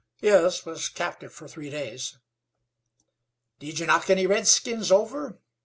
"Yes; was captive for three days." "Did ye knock any redskins over?"